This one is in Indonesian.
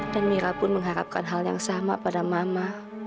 dan mira pun mengharapkan hal yang sama pada mama